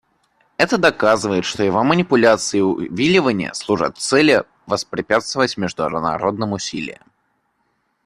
Это доказывает, что его манипуляции и увиливания служат цели воспрепятствовать международным усилиям.